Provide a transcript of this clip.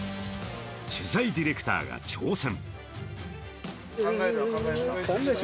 取材ディレクターが挑戦。